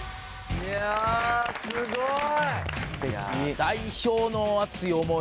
いやあすごい！